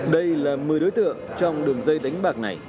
đối tượng trong đường dây đánh bạc này